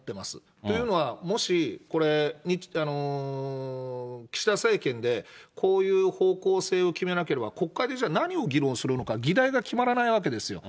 というのは、もし、これ、岸田政権で、こういう方向性を決めなければ、国会でじゃあ、何を議論するのか、議題が決まらないわけですよ。